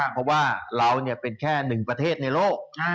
เพราะว่าเราเป็นแค่หนึ่งประเทศในโลก